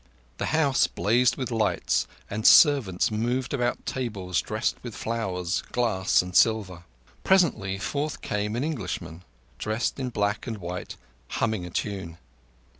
The house blazed with lights, and servants moved about tables dressed with flowers, glass, and silver. Presently forth came an Englishman, dressed in black and white, humming a tune.